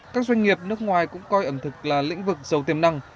các doanh nghiệp nước ngoài cũng coi ẩm thực là lĩnh vực giàu tiềm năng